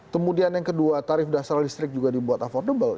kemudian yang kedua tarif dasar listrik juga dibuat affordable